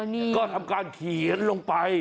นี่ก็ทำการเขียนลงไป